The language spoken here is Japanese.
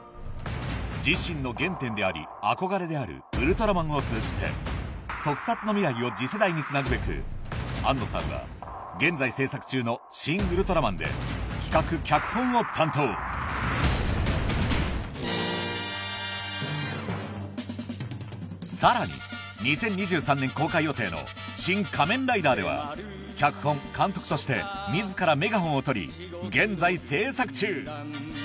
自身の原点であり憧れである『ウルトラマン』を通じて特撮の未来を次世代につなぐべく庵野さんは現在製作中の『シン・ウルトラマン』で企画脚本を担当さらに２０２３年公開予定の『シン・仮面ライダー』では脚本監督として自らメガホンを取り現在製作中！